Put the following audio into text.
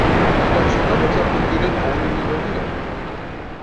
The actual numbers are computed only when they are needed.